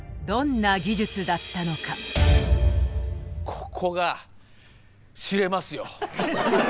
ここが知れますよ。